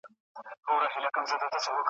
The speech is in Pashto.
پر کابل مي جنګېدلی بیرغ غواړم `